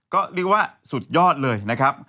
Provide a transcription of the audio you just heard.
ก็เรียกว่าสุดยอดเลยนะครับ